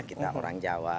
kita orang jawa